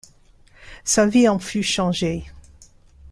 Sa vie en fut changée.